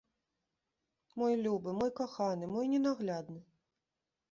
Мой любы, мой каханы, мой ненаглядны!